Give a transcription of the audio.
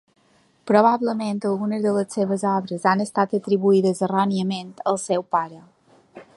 Probablement algunes de les seves obres han estat atribuïdes erròniament al seu pare.